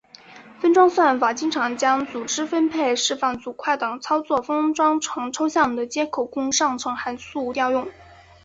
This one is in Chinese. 分配算法经常将组织分配释放组块等操作封装成抽象的接口供上层函数调用。